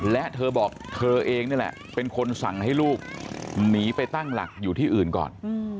และเธอบอกเธอเองนี่แหละเป็นคนสั่งให้ลูกหนีไปตั้งหลักอยู่ที่อื่นก่อน